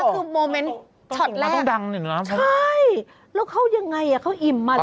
แล้วคือโมเมนต์ช็อตแรกใช่แล้วเขายังไงอ่ะเขาอิ่มมา